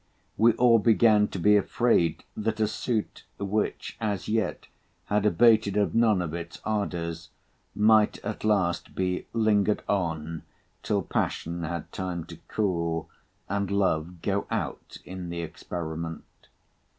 We all began to be afraid that a suit, which as yet had abated of none of its ardours, might at last be lingered on, till passion had time to cool, and love go out in the experiment.